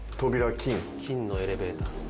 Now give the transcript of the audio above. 金のエレベーター。